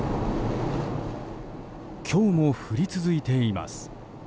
今日も降り続いています。